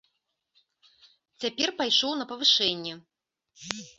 Цяпер пайшоў на павышэнне.